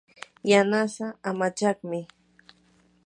yanasaa amachaqmi.